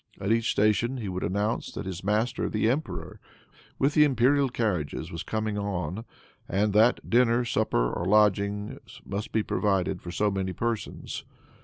At each station he would announce that his master the emperor, with the imperial carriages, was coming on, and that dinner, supper or lodgings must be provided for so many persons.